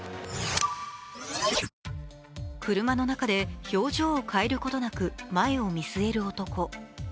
車の中で表情を変えることなく前を見据える男。